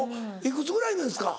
いくつぐらいなんですか？